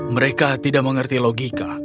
mereka tidak mengerti logika